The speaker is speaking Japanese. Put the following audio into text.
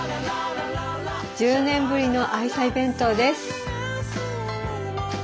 １０年ぶりの愛妻弁当です。